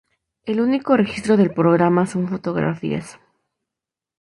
El único registro del programa son fotografías.